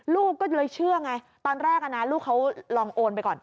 ลูกก็เลยเชื่อไงตอนแรกลูกเขาลองโอนไปก่อน